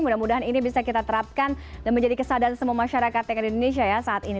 mudah mudahan ini bisa kita terapkan dan menjadi kesadaran semua masyarakat yang ada di indonesia ya saat ini